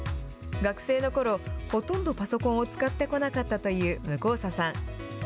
学生のころ、ほとんどパソコンを使ってこなかったという向佐さん。